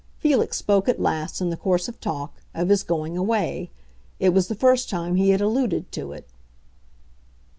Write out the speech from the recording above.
Felix spoke at last, in the course of talk, of his going away; it was the first time he had alluded to it.